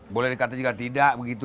boleh dikatakan tidak begitu